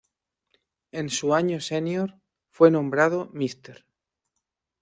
En su año senior fue nombrado “Mr.